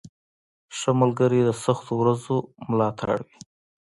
• ښه ملګری د سختو ورځو ملاتړ وي.